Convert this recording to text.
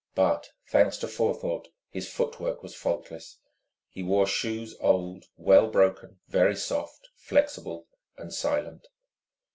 But, thanks to forethought, his footwork was faultless: he wore shoes old, well broken, very soft, flexible, and silent.